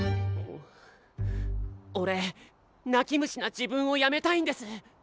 泣き虫な自分をやめたいんです。